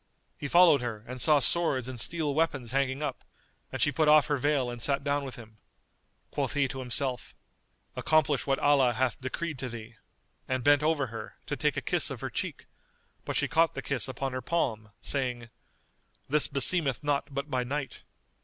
He followed her and saw swords and steel weapons hanging up; and she put off her veil and sat down with him. Quoth he to himself, "Accomplish what Allah hath decreed to thee," and bent over her, to take a kiss of her cheek; but she caught the kiss upon her palm, saying, "This beseemeth not but by night."